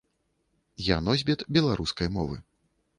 Я носьбіт беларускай мовы.